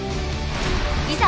いざ！